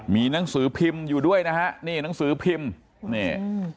มีหนังสือพิมพ์อยู่ด้วยนะฮะนี่หนังสือพิมพ์นี่